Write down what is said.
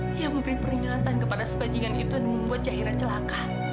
dia memberi peringatan kepada si bajingan itu dan membuat cahira celaka